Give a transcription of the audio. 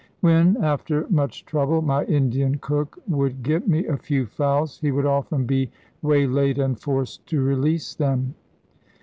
When, after much trouble, my Indian cook would get me a few fowls, he would often be waylaid and forced to release them.